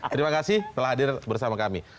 terima kasih telah hadir bersama kami